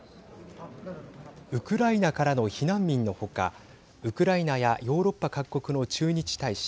ウクライナからの避難民のほかウクライナやヨーロッパ各国の駐日大使